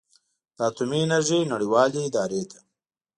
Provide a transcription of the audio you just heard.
د اټومي انرژۍ نړیوالې ادارې ته